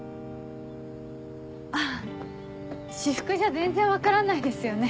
あ私服じゃ全然分からないですよね。